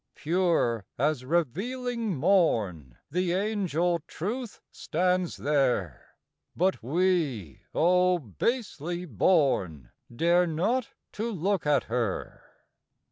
Pure as revealing morn The angel Truth stands there; But we, oh basely born! Dare not to look at her.